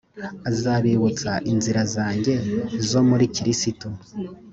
azabibutsa inzira zanjye zo muri kristo